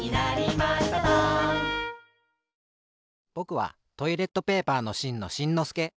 ぼくはトイレットペーパーのしんのしんのすけ。